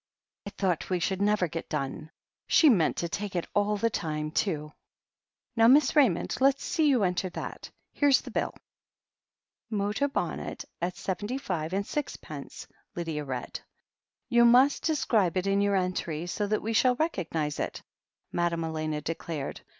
"Oof 1 I thought we should never get done. She meant to take it, all the time, too. Now, Miss Ray mond, let's see you enter that. Here's the bill." "Motor bonnet, at seventy five and sixpence," Lydia read. "You must describe it in your entry, so that we shall recognize it," Madame Elena declared.